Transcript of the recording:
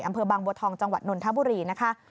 อำเภอบางบัวทองจังหวัดนนทบุรีนะคะ